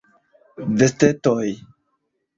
Vestetoj.